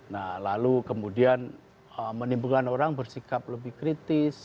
nah lalu kemudian menimbulkan orang bersikap lebih kritis